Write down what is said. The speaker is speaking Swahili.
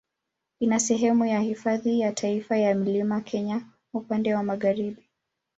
Ina sehemu ya Hifadhi ya Taifa ya Mlima Kenya upande wa magharibi.